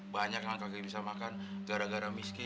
banyak yang gak bisa makan gara gara misi